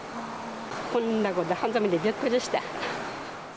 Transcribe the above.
こんなこと初めてでびっくりした。